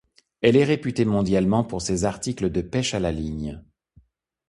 Elle est réputée mondialement pour ses articles de pêche à la ligne.